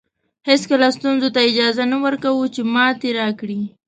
هېڅکله ستونزو ته اجازه نه ورکوو چې ماتې راکړي.